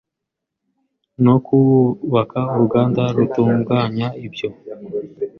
no kubaka uruganda rutunganya ibyo